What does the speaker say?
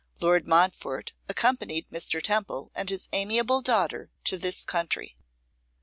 Lord Montfort accompanied Mr. Temple and his amiable daughter to this country.